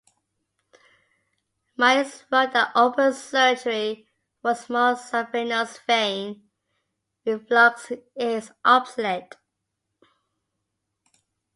Myers wrote that open surgery for small saphenous vein reflux is obsolete.